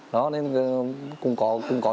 đó nên cũng có cũng có thông tin